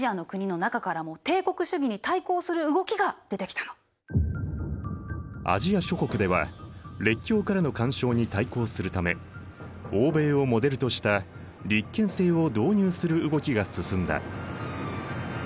そんなふうにならないためにもアジア諸国では列強からの干渉に対抗するため欧米をモデルとした立憲制を導入する動きが進んだ。